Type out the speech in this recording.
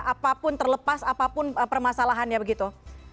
apapun terlepas apapun permasalahannya begitu